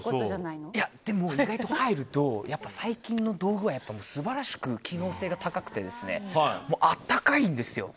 いや、でも意外と入ると最近の道具はやっぱり素晴らしく機能性が高くて暖かいんですよ。